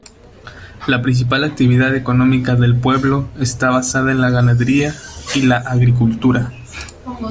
La principal actividad económica del pueblo está basada en la ganadería y la agricultura.